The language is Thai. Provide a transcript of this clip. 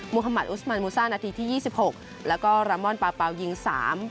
ฮามัติอุสมานมูซ่านาทีที่ยี่สิบหกแล้วก็รามอนปาเปล่ายิงสาม